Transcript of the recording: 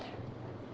hiện nay là